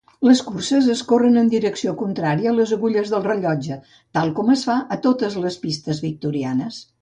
Les curses es corren en direcció contrària a les agulles del rellotge, tal com es fa a totes les pistes victorianes.